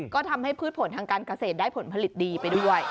ก็ทำให้พืชผลทางการเกษตรได้ผลผลิตดีไปด้วย